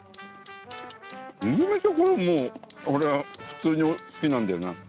麦飯はこれもう俺は普通に好きなんだよな。